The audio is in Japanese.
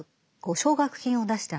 奨学金を出した。